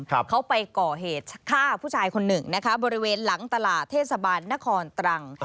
เขาไปก่อเหตุฆ่าผู้ชายคนหนึ่งนะคะบริเวณหลังตลาดเทศบาลนครตรัง